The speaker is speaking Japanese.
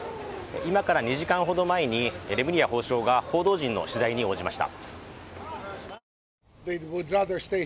今から２時間ほど前にレムリヤ法相が報道陣の取材に応じました。